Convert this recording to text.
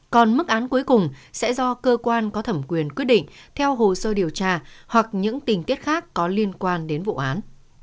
còn mức án cuối cùng sẽ do cơ quan có thẩm quyền quyết định theo hồ sơ điều tra hoặc những tình tiết khác có liên quan đến vụ án